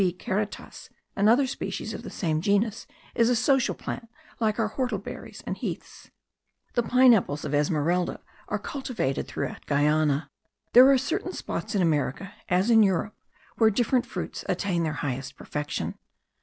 karatas, another species of the same genus, is a social plant, like our whortleberries and heaths. The pine apples of Esmeralda are cultivated throughout Guiana. There are certain spots in America, as in Europe, where different fruits attain their highest perfection.